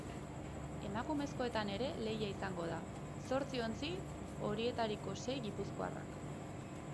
Emakumezkoetan ere lehia izango da, zortzi ontzi, horietariko sei gipuzkoarrak.